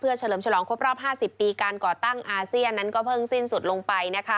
เฉลิมฉลองครบรอบ๕๐ปีการก่อตั้งอาเซียนนั้นก็เพิ่งสิ้นสุดลงไปนะคะ